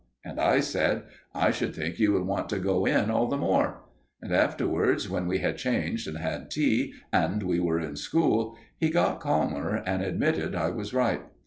And I said: "I should think you would want to go in all the more." And afterwards, when we had changed and had tea, and we were in school, he got calmer and admitted I was right.